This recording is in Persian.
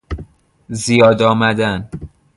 زیاد آمدن